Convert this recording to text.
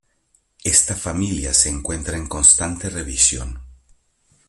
Esta familia se encuentra en constante revisión.